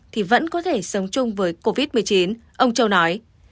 thì vẫn có thể sống chung với covid một mươi chín ông châu nói